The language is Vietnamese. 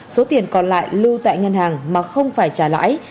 số tiền còn lại lưu tại ngân hàng mà không phải trả lãi